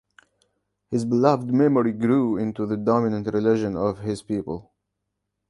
His beloved memory grew into the dominant religion of his people.